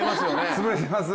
潰れてますね